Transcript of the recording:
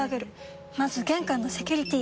まず玄関のセキュリティ！